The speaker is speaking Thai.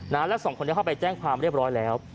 แล้วสองคนนี้เข้าไปแจ้งความเรียบร้อยแล้ว